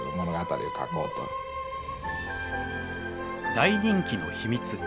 大人気の秘密